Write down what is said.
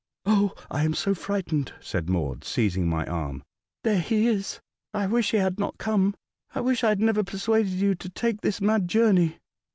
*'0h, I am so frightened," said Maud, seiz ing my arm. '' There he is. I wish we had not come. I wish I had never persuaded you to take this mad journey."